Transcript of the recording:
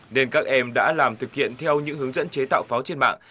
nên các em đã làm thực hiện theo những hướng dẫn chế tạo pháo trên mạng